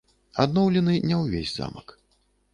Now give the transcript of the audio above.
Адноўлены не ўвесь замак.